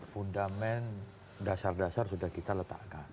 fundament dasar dasar sudah kita letakkan